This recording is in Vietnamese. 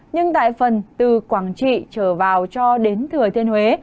nhưng tại phần từ quảng trị trở vào cho đến thừa thiên huế